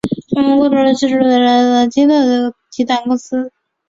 控股股东是中国青旅集团公司。